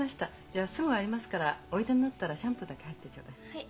じゃあすぐ終わりますからおいでになったらシャンプーだけ入ってちょうだい。